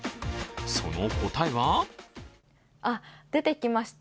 その答えは出てきました、